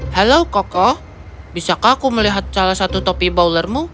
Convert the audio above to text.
halo koko bisakah aku melihat salah satu topi baulermu